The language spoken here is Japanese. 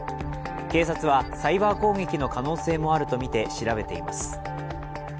警察はサイバー攻撃の可能性もあるとみて調べています。